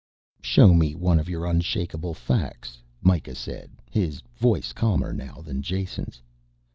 "Show me one of your unshakeable facts," Mikah said, his voice calmer now than Jason's.